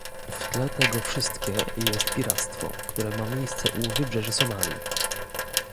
W tle tego wszystkie jest piractwo, które ma miejsce u wybrzeży Somalii